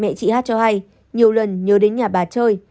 mẹ chị hát cho hay nhiều lần nhớ đến nhà bà chơi